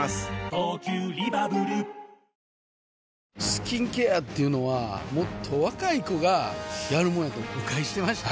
スキンケアっていうのはもっと若い子がやるもんやと誤解してました